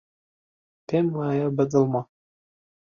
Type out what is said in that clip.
پێم وایە بەدڵمە.